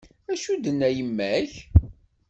Acu d-tenna yemma-k?